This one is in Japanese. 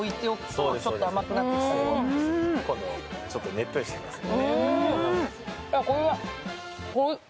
ちょっとねっとりしていますね。